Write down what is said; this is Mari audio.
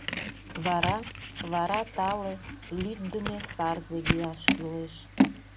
Вара... вара тале, лӱддымӧ сарзе лияш кӱлеш.